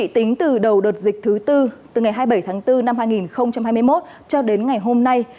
tính từ đầu đợt dịch thứ tư từ ngày hai mươi bảy tháng bốn năm hai nghìn hai mươi một cho đến ngày hôm nay